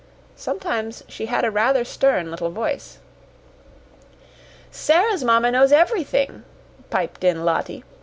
Sometimes she had a rather stern little voice. "Sara's mamma knows everything," piped in Lottie.